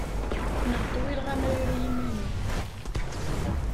Neɣ ṭṭewwileɣ amrar i yiman-iw.